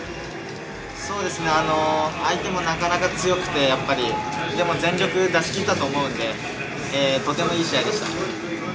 相手もなかなか強くて、全力出しきったと思うので、とてもいい試合でした。